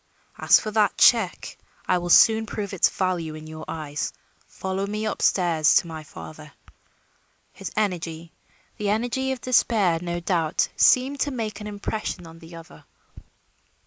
As for that check, I will soon prove its value in your eyes. Follow me up stairs to my father." His energy the energy of despair, no doubt seemed to make an impression on the other.